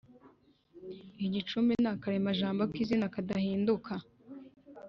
Igicumbi: Ni akaremajambo k’izina kadahinduka